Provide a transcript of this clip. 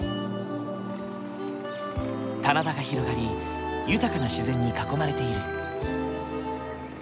棚田が広がり豊かな自然に囲まれている。